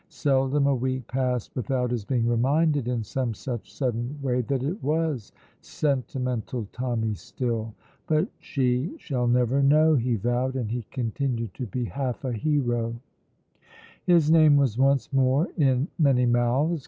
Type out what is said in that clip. Seldom a week passed without his being reminded in some such sudden way that it was Sentimental Tommy still. "But she shall never know!" he vowed, and he continued to be half a hero. His name was once more in many mouths.